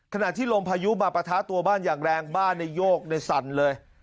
ขณะที่ลมพายุมาปะทะตัวบ้านอย่างแรงบ้านในโยกในสั่นเลย